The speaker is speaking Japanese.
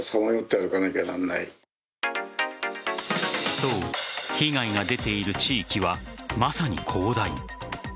そう、被害が出ている地域はまさに広大。